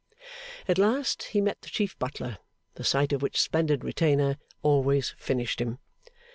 At last he met the chief butler, the sight of which splendid retainer always finished him.